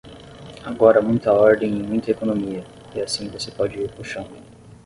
Agora muita ordem e muita economia, e assim você pode ir puxando.